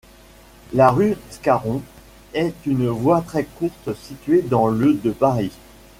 La rue Scarron est une voie très courte située dans le de Paris.